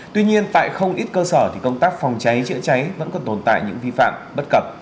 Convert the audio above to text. tuy nhiên tại không ít cơ sở thì công tác phòng cháy chữa cháy vẫn còn tồn tại những vi phạm bất cập